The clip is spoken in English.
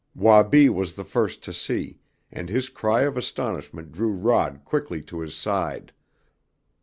Wabi was the first to see, and his cry of astonishment drew Rod quickly to his side.